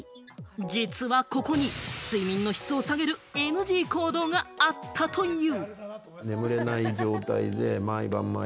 実はここに睡眠の質を下げるＮＧ行動があったという。